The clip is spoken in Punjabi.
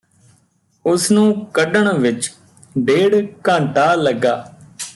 ਉਸ ਨੂੰ ਕੱਢਣ ਵਿਚ ਡੇਢ ਘੰਟਾ ਲੱਗਾ